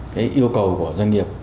cái yêu cầu của doanh nghiệp